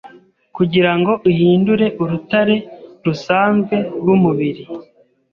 kugirango uhindure urutare rusanzwe rwumubiri